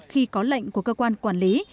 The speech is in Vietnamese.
khi có lệnh của cơ quan quản lý